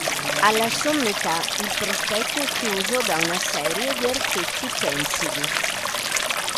Alla sommità il prospetto è chiuso da una serie di archetti pensili.